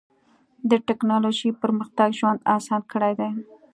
د ټکنالوجۍ پرمختګ ژوند اسان کړی دی.